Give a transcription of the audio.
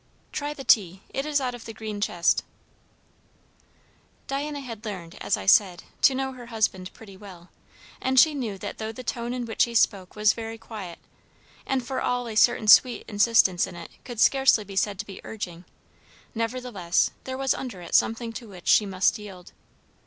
"Try the tea. It is out of the green chest." Diana had learned, as I said, to know her husband pretty well; and she knew that though the tone in which he spoke was very quiet, and for all a certain sweet insistence in it could scarcely be said to be urging, nevertheless there was under it something to which she must yield.